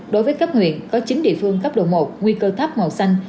đối với cấp huyện có chín địa phương cấp độ một nguy cơ thấp màu xanh